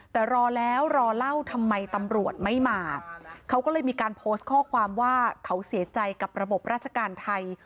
แต่รอแล้วรอเล่าทำไมตำรวจไม่มาเขาก็เลยมีการโพสต์ข้อความว่าเขาเสียใจกับระบบราชการไทย